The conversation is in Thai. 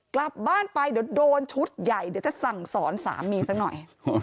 กลับบ้านไปเดี๋ยวโดนชุดใหญ่เดี๋ยวจะสั่งสอนสามีสักหน่อย